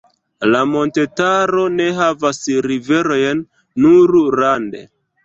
La montetaro ne havas riverojn, nur rande.